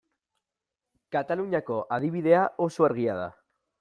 Kataluniako adibidea oso argia da.